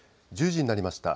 １０時になりました。